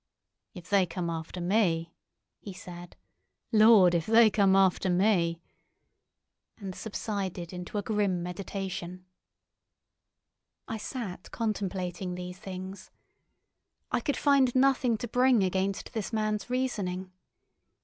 "If they come after me," he said; "Lord, if they come after me!" and subsided into a grim meditation. I sat contemplating these things. I could find nothing to bring against this man's reasoning.